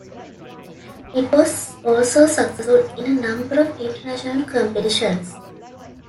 It was also successful in a number of international competitions.